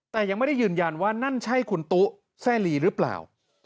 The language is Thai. แต่ยังไม่ได้ยืนยันว่านั่นใช่คุณตุ๊แซ่ลีหรือเปล่า